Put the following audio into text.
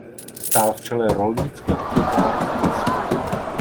Stál v čele rolnického pivovaru v Písku.